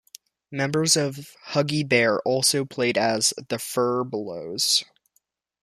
Members of Huggy Bear also played as The Furbelows.